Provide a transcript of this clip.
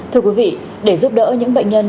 thưa quý vị để giúp đỡ những bệnh nhân